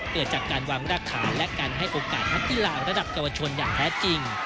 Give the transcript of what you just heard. เกิดจากการวางราคาและการให้โอกาสฮัตติหล่างระดับกระวัติชนอย่างแท้จริง